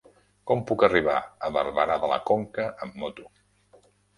Com puc arribar a Barberà de la Conca amb moto?